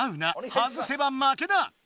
はずせば負けだ！